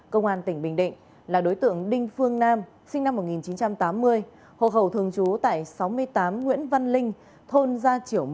công an tỉnh bình định là đối tượng đinh phương nam sinh năm một nghìn chín trăm tám mươi hộ khẩu thường trú tại sáu mươi tám nguyễn văn linh thôn gia triểu